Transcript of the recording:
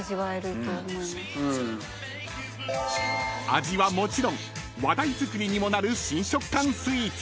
［味はもちろん話題作りにもなる新食感スイーツ］